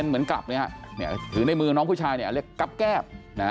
เหมือนกลับเลยครับถือในมือน้องผู้ชายเรียกกับแก้บ